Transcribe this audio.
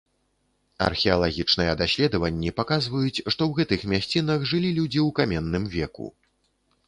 Археалагічныя даследаванні паказваюць, што ў гэтых мясцінах жылі людзі ў каменным веку.